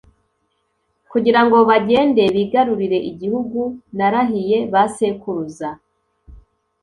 kugira ngo bagende bigarurire igihugu narahiye ba sekuruza